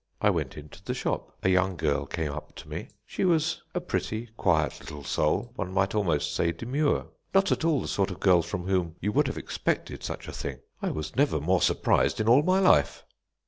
I went into the shop. A young girl came up to me; she was a pretty, quiet little soul, one might almost say, demure; not at all the sort of girl from whom you would have expected such a thing. I was never more surprised in all my life."